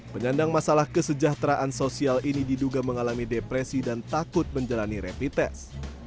penyandang masalah kesejahteraan sosial ini diduga mengalami depresi dan takut menjalani rapid test